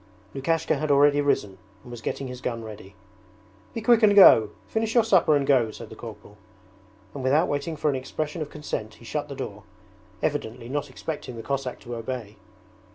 Lukashka had already risen and was getting his gun ready. 'Be quick and go! Finish your supper and go!' said the corporal; and without waiting for an expression of consent he shut the door, evidently not expecting the Cossack to obey.